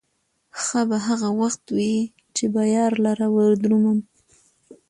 ښه به هغه وخت وي، چې به يار لره وردرومم